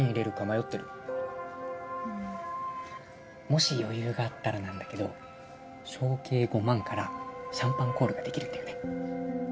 もし余裕があったらなんだけど小計５万からシャンパンコールができるんだよね。